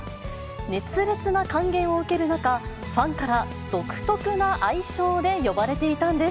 熱烈な歓迎を受ける中、ファンから独特な愛称で呼ばれていたんです。